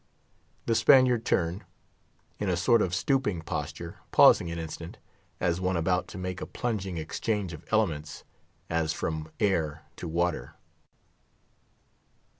The Spaniard turned, in a sort of stooping posture, pausing an instant, as one about to make a plunging exchange of elements, as from air to water.